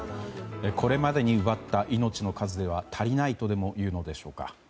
これまでに奪った命の数では足りないとでもいうのでしょうか。